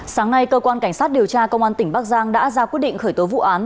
sáng nay cơ quan cảnh sát điều tra công an tỉnh bắc giang đã ra quyết định khởi tố vụ án